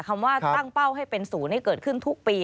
คำว่าตั้งเป้าให้เป็นศูนย์ให้เกิดขึ้นทุกปี